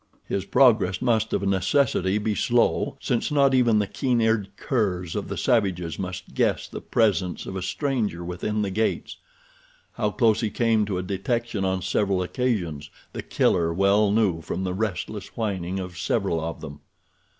His progress must of necessity be slow since not even the keen eared curs of the savages must guess the presence of a stranger within the gates. How close he came to a detection on several occasions The Killer well knew from the restless whining of several of them.